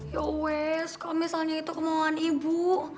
yowes kalau misalnya itu kemauan ibu